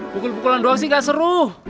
pukul pukulan doa sih gak seru